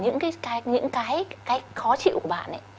những cái khó chịu của bạn